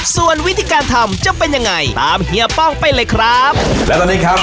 ส่วนวิธีการทำจะเป็นยังไงตามเฮียป้องไปเลยครับและตอนนี้ครับ